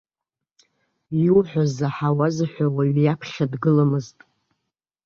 Иуҳәо заҳауаз ҳәа уаҩ иаԥхьа дгыламызт.